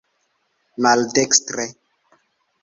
maldekstre